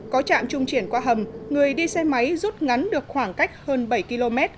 có trạm trung chuyển qua hầm người đi xe máy rút ngắn được khoảng cách hơn bảy km